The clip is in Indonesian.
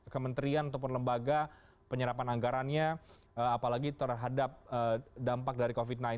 kementerian ataupun lembaga penyerapan anggarannya apalagi terhadap dampak dari covid sembilan belas